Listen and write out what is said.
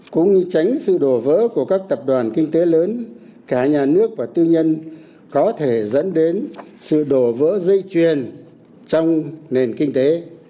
cũng như tránh sự đổ vỡ của các tập đoàn kinh tế lớn cả nhà nước và tư nhân có thể dẫn đến sự đổ vỡ dây chuyền trong nền kinh tế